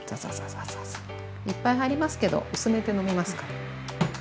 いっぱい入りますけど薄めて飲みますから。